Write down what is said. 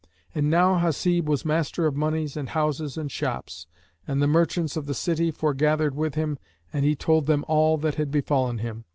And now Hasib was master of monies and houses and shops, and the merchants of the city foregathered with him and he told them all that had befallen him.